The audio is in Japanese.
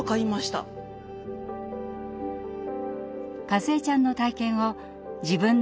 かずえちゃんの体験を自分の故郷